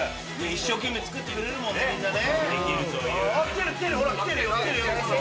一生懸命作ってくれるもんねみんなね。